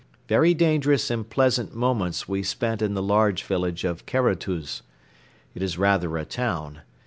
Very dangerous and pleasant moments we spent in the large village of Karatuz. It is rather a town.